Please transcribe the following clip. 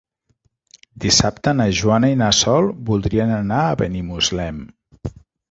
Dissabte na Joana i na Sol voldrien anar a Benimuslem.